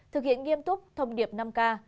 thực hiện nghiêm túc thông điệp năm ca